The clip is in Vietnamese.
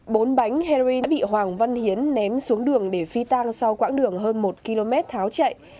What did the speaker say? bốn bánh heroin bị hoàng văn hiến ném xuống đường để phi tang sau quãng đường hơn một km tháo chạy